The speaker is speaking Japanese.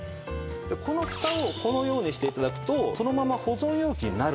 このフタをこのようにして頂くとそのまま保存容器になるんですね。